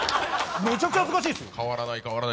めちゃくちゃ恥ずかしいですよ。